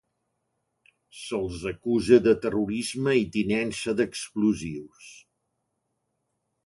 Se'ls acusa de terrorisme i tinença d'explosius.